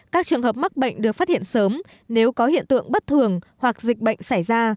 các trường hợp mắc bệnh được phát hiện sớm nếu có hiện tượng bất thường hoặc dịch bệnh xảy ra